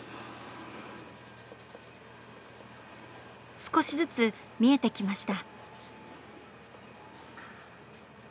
少しずつ見えてきました。